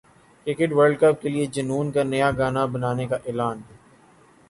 cricket world cup کے لیے جنون کا نیا گانا بنانے کا اعلان